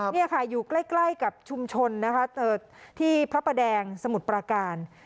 นี่ค่ะอยู่ใกล้กับชุมชนนะคะที่พระประแดงสมุทรปราการ